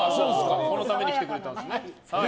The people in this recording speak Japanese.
このために来てくれたんですね。